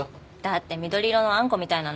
だって緑色のあんこみたいなの？